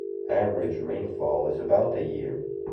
Average rainfall is about a year.